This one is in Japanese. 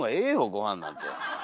ごはんなんて。